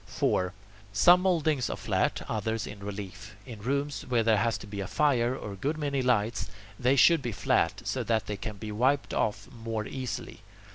4. Some mouldings are flat, others in relief. In rooms where there has to be a fire or a good many lights, they should be flat, so that they can be wiped off more easily.